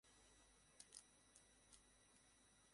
ঠিক আছে, ঠিক আছে, জেগে গেছি!